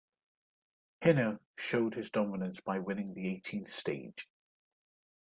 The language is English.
Hinault showed his dominance by winning the eighteenth stage.